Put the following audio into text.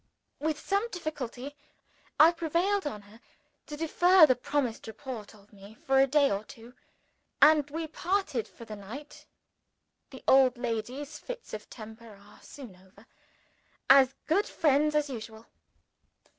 With some difficulty I prevailed on her to defer the proposed report of me for a day or two and we parted for the night (the old lady's fits of temper are soon over) as good friends as usual.